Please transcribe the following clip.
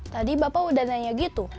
tadi bapak udah nanya gitu